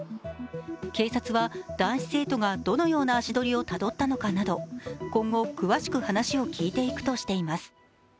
警察は男子生徒がどのような足取りをたどったのかなど今後、詳しく話を聞いていくとしています。